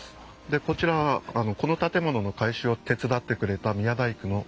でこちらはこの建物の改修を手伝ってくれた宮大工の。